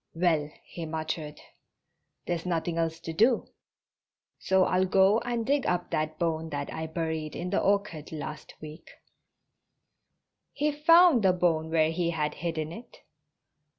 "Well," he muttered, "there's nothing else to do, so I'll go and dig up that bone that I buried in the orchard last week." He found the bone where he had hidden it.